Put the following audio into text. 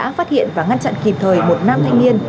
đã phát hiện và ngăn chặn kịp thời một nam thanh niên